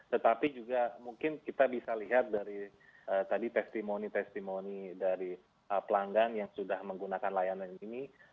tetapi juga mungkin kita bisa lihat dari tadi testimoni testimoni dari pelanggan yang sudah menggunakan layanan ini